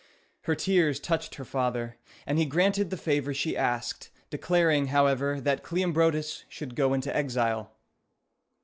Her tears touched her father, and he granted the favor she asked, declaring, however, that Cleombrotus should go into exile.